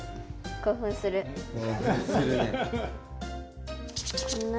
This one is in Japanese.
興奮するね。